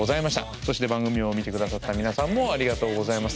そして番組を見て下さった皆さんもありがとうございます。